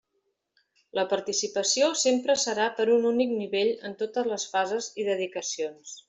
La participació sempre serà per un únic nivell en totes les fases i dedicacions.